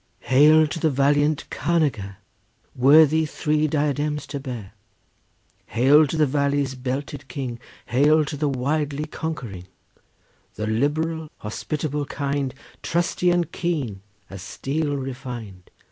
Hail to the valiant carnager, Worthy three diadems to bear! Hail to the valley's belted king! Hail to the widely conquering, The liberal, hospitable, kind, Trusty and keen as steel refined!